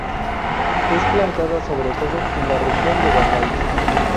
Es plantada sobre todo en la región de Valais.